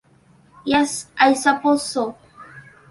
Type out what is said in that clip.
Yes, I suppose so.